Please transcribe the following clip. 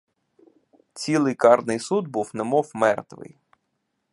Цілий карний суд був немов мертвий.